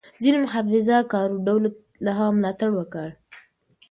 ځینو محافظه کارو ډلو له هغه ملاتړ وکړ.